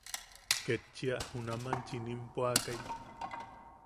Ketchia junaman chiʼinim puakai.